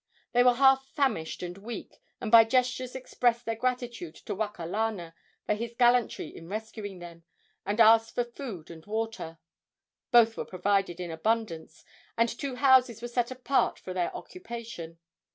They were half famished and weak, and by gestures expressed their gratitude to Wakalana for his gallantry in rescuing them, and asked for food and water. Both were provided in abundance, and two houses were set apart for their occupation.